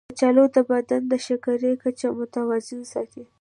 کچالو د بدن د شکرې کچه متوازنه ساتي.